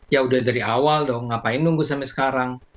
ya udah dari awal dong ngapain nunggu sampai sekarang